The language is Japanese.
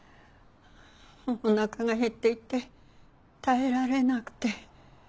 おなかが減っていて耐えられなくて。